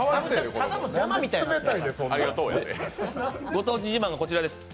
ご当地自慢はこちらです。